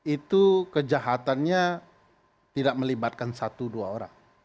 itu kejahatannya tidak melibatkan satu dua orang